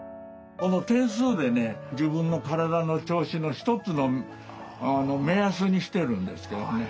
この点数でね自分の体の調子の一つの目安にしてるんですけどね。